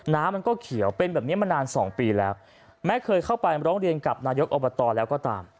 น้ำมันก็เขียวเป็นแบบนี้มานานสองปีแล้วแม้เคยเข้าไปร้องเรียนกับนายกอบตแล้วก็ตาม